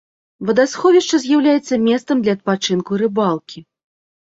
Вадасховішча з'яўляецца месцам для адпачынку і рыбалкі.